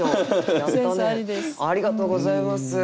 ありがとうございます。